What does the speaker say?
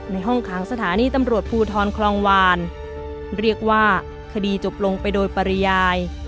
ห้องค้างสถานีตำรวจภูทรคลองวานเรียกว่าคดีจบลงไปโดยปริยาย